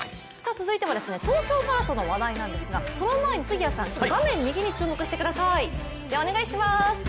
続いては東京マラソンの話題なんですが、その前に画面右に注目してください。